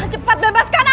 cepat bebaskan aku